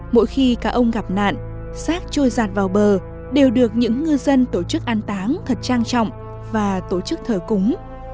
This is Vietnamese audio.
mỗi khi cá ông gặp nạn rác trôi giạt vào bờ đều được những ngư dân tổ chức an táng thật trang trọng và tổ chức thờ cúng